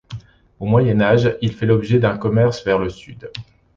Au Moyen-Âge, il fait l'objet d'un commerce vers le Sud.